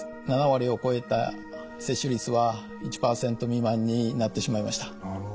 ７割を超えた接種率は１％未満になってしまいました。